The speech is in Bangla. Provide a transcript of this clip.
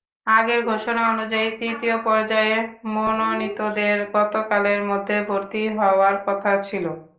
আগের ঘোষণা অনুযায়ী তৃতীয় পর্যায়ে মনোনীতদের গতকালের মধ্যে ভর্তি হওয়ার কথা ছিল।